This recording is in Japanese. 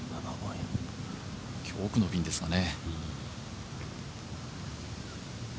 今日は奥のピンですかね。